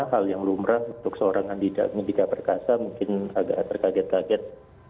hal yang lumrah untuk seorang andika perkasa mungkin agak terkaget kaget